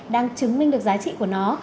đang chứng minh được giá trị của nó